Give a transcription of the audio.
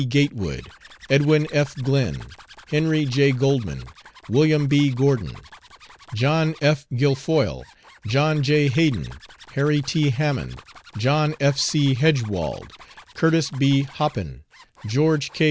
Gatewood, Edwin F. Glenn, Henry J. Goldman, William B. Gordon, John F. Guilfoyle, John J. Haden, Harry T. Hammond, John F. C. Hegewald, Curtis B. Hoppin, George K.